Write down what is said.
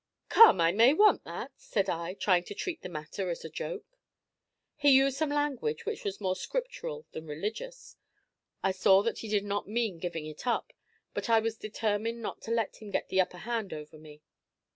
"Come, I may want that," said I, trying to treat the matter as a joke. He used some language which was more scriptural than religious. I saw that he did not mean giving it up, but I was determined not to let him get the upper hand over me.